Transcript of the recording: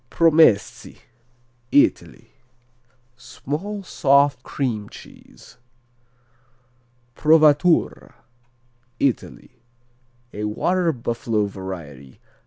Promessi Italy Small soft cream cheese. Provatura Italy A water buffalo variety.